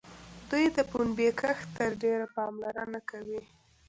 دوی د پنبې کښت ته ډېره پاملرنه کوي.